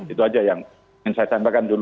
itu saja yang ingin saya tambahkan dulu